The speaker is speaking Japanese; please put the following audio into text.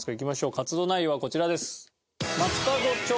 活動内容はこちらです。